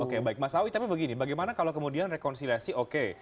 oke baik mas awi tapi begini bagaimana kalau kemudian rekonsiliasi oke